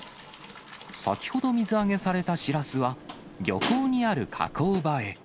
先ほど水揚げされたしらすは、漁港にある加工場へ。